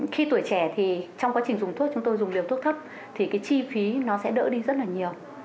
khi tuổi trẻ thì trong quá trình dùng thuốc chúng tôi dùng liều thuốc thấp thì cái chi phí nó sẽ đỡ đi rất là nhiều